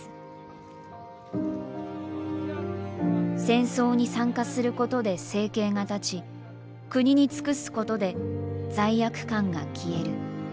戦争に参加することで生計が立ち国に尽くすことで罪悪感が消える。